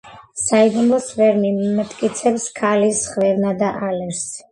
საიდუმლოს ვერ მომტაცებს ქალის ხვევნა და ალერსი;